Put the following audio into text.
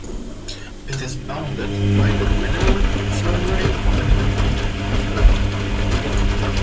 It is bounded by the minimum cell rate and the peak cell rate.